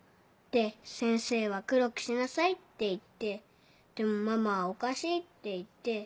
で先生は「黒くしなさい」って言ってでもママは「おかしい」って言って。